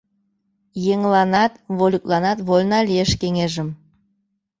Еҥланат, вольыкланат вольна лиеш кеҥежым!